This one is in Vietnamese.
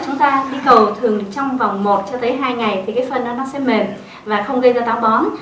chúng ta đi cầu thường trong vòng một cho tới hai ngày thì cái phân đó nó sẽ mềm và không gây ra táo bón